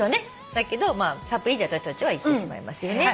だけど「サプリ」で私たちは言ってしまいますよね。